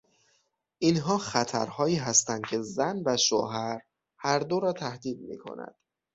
اینها خطرهایی هستند که زن و شوهر هر دو را تهدید میکند.